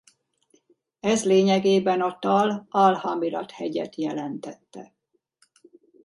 Ez lényegében a Tal Al-Hamirat-hegyet jelentette.